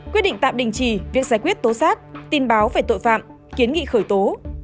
quyết định tạm đình trì việc giải quyết tố xác tin báo về tội phạm kiến nghị khởi tố